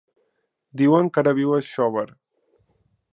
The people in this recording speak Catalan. Diuen que ara viu a Xóvar.